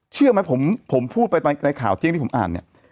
เชื่อไหมผมพูดไปตอนในข่าวเที่ยงที่ผมอ่านเนี่ย